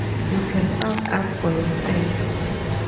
You can find out for yourself.